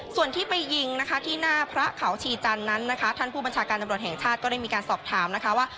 ส่วนที่ไปยิงที่หน้าพระเขาชีจัลนั้นท่านผู้ปัญชาการตำรวจแห่งชาติก็สอบถามว่า